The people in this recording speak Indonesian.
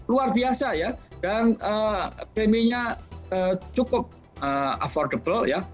luar biasa ya dan preminya cukup affordable ya